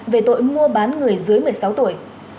về tội mua bán người dưới một mươi sáu tuổi